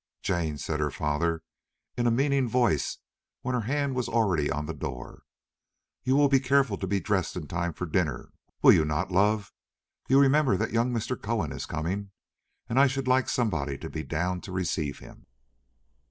"Jane," said her father in a meaning voice when her hand was already on the door, "you will be careful to be dressed in time for dinner, will you not, love? You remember that young Mr. Cohen is coming, and I should like somebody to be down to receive him."